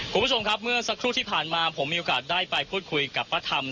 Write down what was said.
คุณผู้ชมครับเมื่อสักครู่ที่ผ่านมาผมมีโอกาสได้ไปพูดคุยกับป้าธรรม